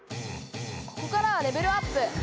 ここからはレベルアップ！